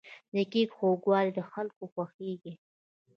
د کیک خوږوالی د خلکو خوښیږي.